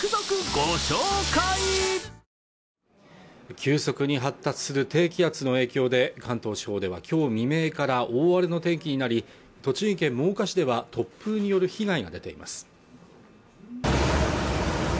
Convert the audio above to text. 急速に発達する低気圧の影響で関東地方ではきょう未明から大荒れの天気になり栃木県真岡市では突風による被害が出ています